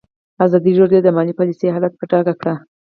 ازادي راډیو د مالي پالیسي حالت په ډاګه کړی.